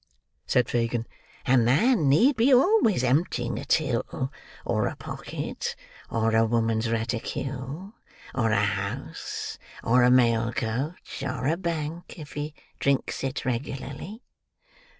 said Fagin. "A man need be always emptying a till, or a pocket, or a woman's reticule, or a house, or a mail coach, or a bank, if he drinks it regularly."